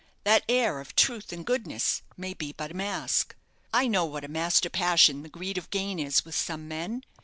"That air of truth and goodness may be but a mask. I know what a master passion the greed of gain is with some men.